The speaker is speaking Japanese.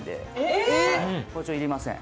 包丁いりません